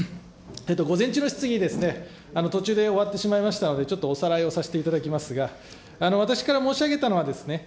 午前中の質疑ですね、途中で終わってしまいましたので、ちょっとおさらいをさせていただきますが、私から申し上げたのはですね、